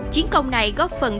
chiến công này góp phần